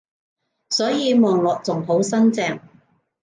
所以望落仲好新淨